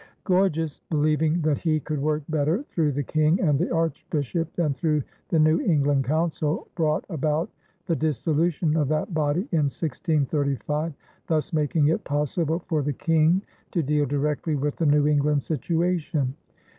Gorges, believing that he could work better through the King and the Archbishop than through the New England Council, brought about the dissolution of that body in 1635, thus making it possible for the King to deal directly with the New England situation.